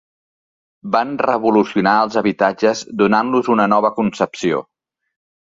Van revolucionar els habitatges donant-los una nova concepció.